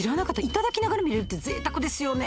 いただきながら見れるってこれぜいたくですよね。